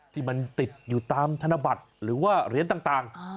ที่มันติดอยู่ตามธนบัตรหรือว่าเหรียญต่าง